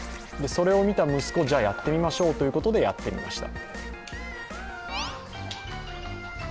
それを見た息子、じゃ、やってみましょうということでやってみました。